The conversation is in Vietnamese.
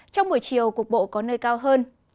trong buổi chiều cuộc bộ có nơi cao hơn